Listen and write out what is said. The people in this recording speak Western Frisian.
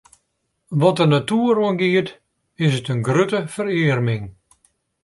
Wat de natoer oangiet, is it in grutte ferearming.